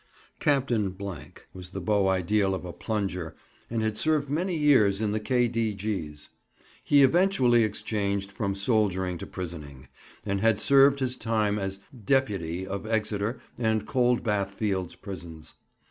Captain — was the beau ideal of a plunger, and had served many years in the K.D.G.'s. He eventually exchanged from soldiering to "prisoning," and had served his time as "Deputy" of Exeter and Cold Bath Fields prisons.